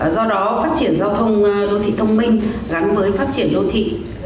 do đó phát triển giao thông đô thị thông minh gắn với phát triển đô thị